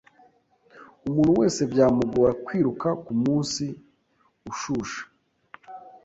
Umuntu wese byamugora kwiruka kumunsi ushushe.